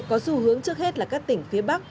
có xu hướng trước hết là các tỉnh phía bắc